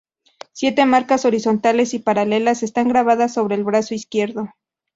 Siete marcas horizontales y paralelas están grabadas sobre el brazo izquierdo.